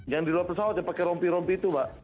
yang di luar pesawat yang pakai rompi rompi itu mbak